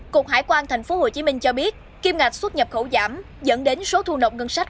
cục hải quan tp hcm cho biết kim ngạch xuất nhập khẩu giảm dẫn đến số thu nộp ngân sách